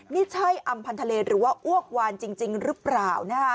นี่ใช่อำพันธเลหรือว่าอ้วกวานจริงหรือเปล่า